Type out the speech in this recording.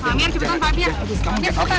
amir cepetan pak bia